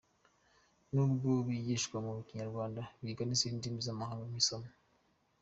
Nubwo bigishwa mu Kinyarwanda, biga n’izindi ndimi z’amahanga nk’isomo.